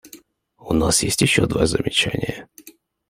У нас есть еще два замечания.